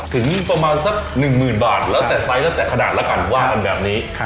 ถึงประมาณสัก๑๐๐๐๐บาทแล้วแต่ไซส์และแต่ขนาดละกันว่ากันแบบนี้